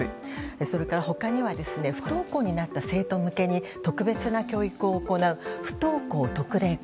それから不登校になった生徒向けに特別な教育を行う不登校特例校。